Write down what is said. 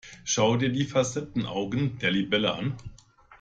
Schau dir die Facettenaugen der Libelle an.